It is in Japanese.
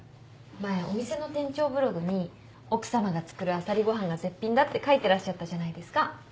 前お店の店長ブログに奥さまが作るあさりご飯が絶品だって書いてらっしゃったじゃないですか。